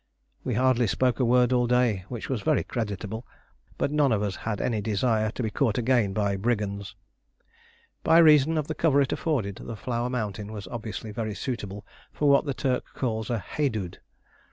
We hardly spoke a word all day, which was very creditable; but none of us had any desire to be caught again by brigands. By reason of the cover it afforded the Flower Mountain was obviously very suitable for what the Turk calls a "Haidood."